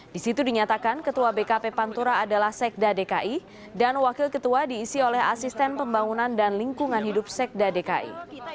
di situ dinyatakan ketua bkp pantura adalah sekda dki dan wakil ketua diisi oleh asisten pembangunan dan lingkungan hidup sekda dki